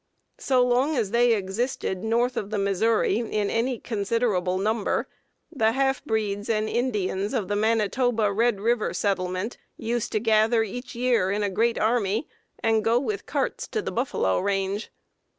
So long as they existed north of the Missouri in any considerable number, the half breeds and Indians of the Manitoba Red River settlement used to gather each year in a great army, and go with carts to the buffalo range.